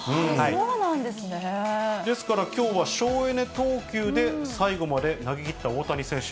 ですからきょうは省エネ投球で最後まで投げ切った大谷選手。